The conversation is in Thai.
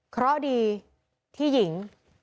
เพราะดีที่หญิง